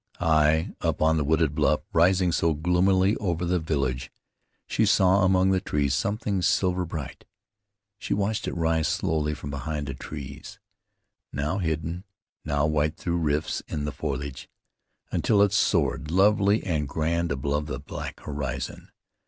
High up on the wooded bluff rising so gloomily over the village, she saw among the trees something silver bright. She watched it rise slowly from behind the trees, now hidden, now white through rifts in the foliage, until it soared lovely and grand above the black horizon.